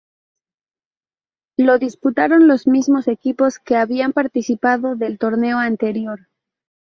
Lo disputaron los mismos equipos que habían participado del torneo anterior.